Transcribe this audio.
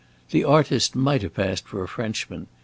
The artist might have passed for a Frenchman.